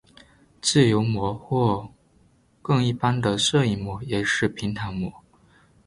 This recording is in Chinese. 自由模或更一般的射影模也是平坦模。